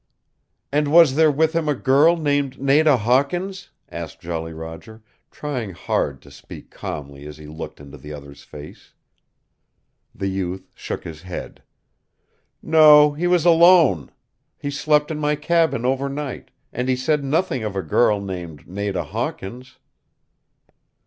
"And was there with him a girl named Nada Hawkins?" asked Jolly Roger, trying hard to speak calmly as he looked into the other's face. The youth shook his head. "No, he was alone. He slept in my cabin overnight, and he said nothing of a girl named Nada Hawkins."